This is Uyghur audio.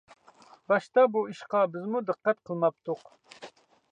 باشتا بۇ ئىشقا بىزمۇ دىققەت قىلماپتۇق.